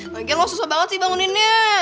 makin lo susah banget sih banguninnya